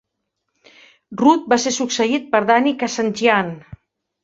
Rudd va ser succeït per Danny Kazandjian.